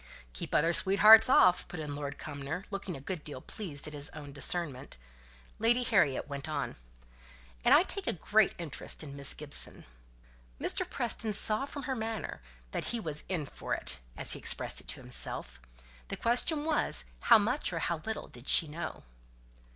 "Keep other sweethearts off," put in Lord Cumnor, looking a good deal pleased at his own discernment. Lady Harriet went on: "And I take a great interest in Miss Gibson." Mr. Preston saw from her manner that he was "in for it," as he expressed it to himself. The question was, how much or how little did she know?